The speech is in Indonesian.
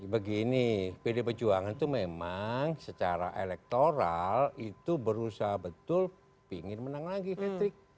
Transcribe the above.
begini pdi perjuangan itu memang secara elektoral itu berusaha betul ingin menang lagi hatrik